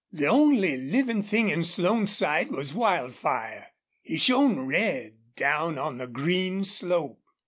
The only living thing in Slone's sight was Wildfire. He shone red down on the green slope.